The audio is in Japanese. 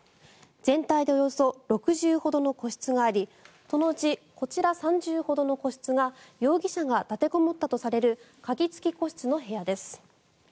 全体でおよそ６０ほどの個室がありそのうちこちら３０ほどの個室が容疑者が立てこもったとされる鍵付き個室の部屋です。